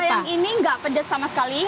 kalau yang ini gak pedes sama sekali